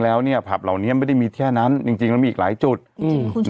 แล้วเนี้ยผับเหล่านี้ไม่ได้มีแค่นั้นจริงจริงแล้วมีอีกหลายจุดอืม